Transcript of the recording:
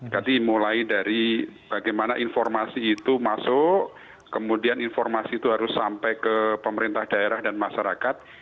jadi mulai dari bagaimana informasi itu masuk kemudian informasi itu harus sampai ke pemerintah daerah dan masyarakat